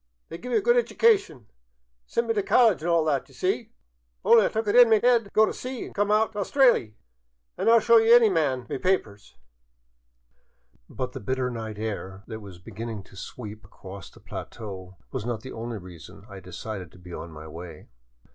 They give me a good iduca tion an' sent me t' collidge an' all that, d' ye see ; only I took it int' me 'ead t' go t' sea an' come out t' Australy, an' I '11 show any man me papers —" But the bitter night air that was beginning to sweep across the plateau was not the only reason I decided to be on my way.